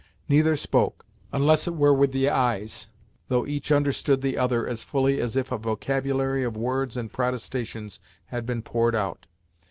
Neither spoke, unless it were with the eyes, though each understood the other as fully as if a vocabulary of words and protestations had been poured out.